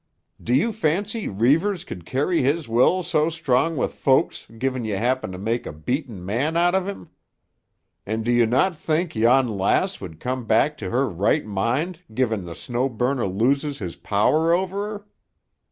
"Do you fancy Reivers could carry his will so strong with folks gi'n ye happen to make a beaten man out of him? And do you not think yon lass would come back to her right mind gi'n the Snow Burner loses his power o'er her?